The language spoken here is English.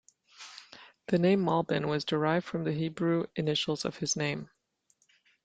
The name "Malbim" was derived from the Hebrew initials of his name.